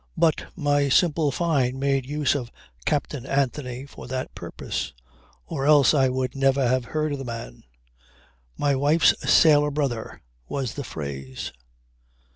But my simple Fyne made use of Captain Anthony for that purpose, or else I would never even have heard of the man. "My wife's sailor brother" was the phrase.